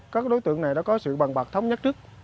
các đối tượng này đã có sự bằng bạc thống nhất trước